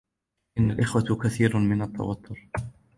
بين الإخوة كثير من التوتر.